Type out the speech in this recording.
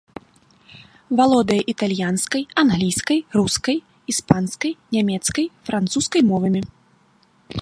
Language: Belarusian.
Валодае італьянскай, англійскай, рускай, іспанскай, нямецкай, французскай мовамі.